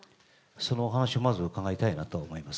そのお話をまず伺いたいなと思います。